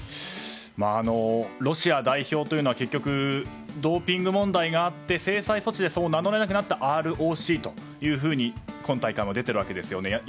ロシア代表というのは結局ドーピング問題があって制裁措置で名乗れなくなってＲＯＣとして今大会も出ているわけですよね。